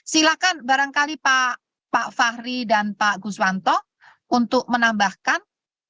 silahkan barangkali pak fahri dan pak guswanto untuk menambahkan